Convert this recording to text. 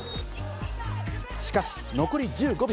しかし残り１５秒。